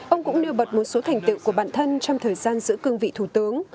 ông cũng nêu bật một số thành tựu của bản thân trong thời gian giữ cương vị thủ tướng